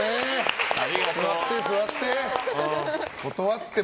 座って、座って。